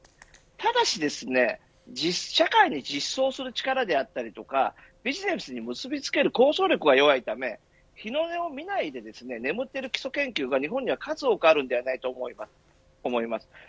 ただし社会に実装する力であったりビジネスに結びつける構想力が弱いため日の目を見ないで眠っている基礎研究が日本には数多くあります。